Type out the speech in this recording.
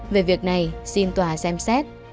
về việc này xin tòa xem xét